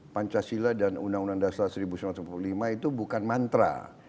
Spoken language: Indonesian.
pancasila dan undang undang dasar seribu sembilan ratus empat puluh lima itu bukan mantra